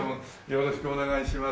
よろしくお願いします。